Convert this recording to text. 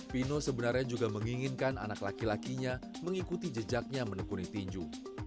pino sebenarnya juga menginginkan anak laki lakinya mengikuti jejaknya menekuni tinju